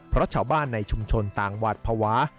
เพราะชาวบ้านในชุมชนต่างหวาดภาวะ